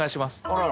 あら！